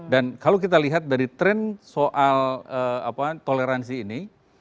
dan kalau kita lihat dari tren soal toleransi ini